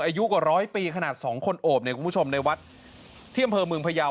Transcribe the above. อายุกว่าร้อยปีขนาดสองคนโอบเนี่ยคุณผู้ชมในวัดที่อำเภอเมืองพยาว